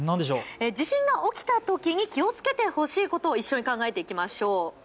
地震が起きたときに気をつけてほしいことを一緒に考えていきましょう。